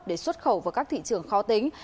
để xuất khẩu vào các thị trường khó tính